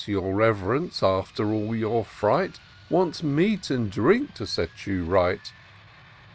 Your Rev'rence, after all your fright. Wants meat and drink to set you right."